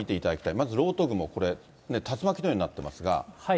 まず漏斗雲、これ、竜巻のようになってますが。